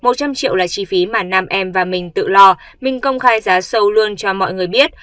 một trăm linh triệu là chi phí mà nam em và mình tự lo mình công khai giá sâu luôn cho mọi người biết